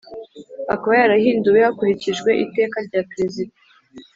akaba yarahinduwe hakurikijwe Iteka rya perezida